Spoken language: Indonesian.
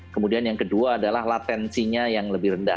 kemudian yang kedua adalah latensinya yang lebih rendah